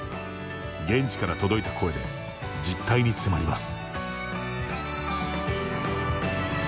現地から届いた声で実態に迫ります。